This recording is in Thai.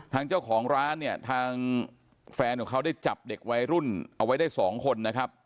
ทางเจ้าของร้านเนี่ยทางแฟนของเขาได้จับเด็กวัยรุ่นเอาไว้ได้สองคนนะครับ